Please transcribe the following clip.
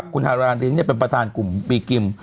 คุณฮารานลิ้งค์เนี่ยเป็นประธานกลุ่มบีกริม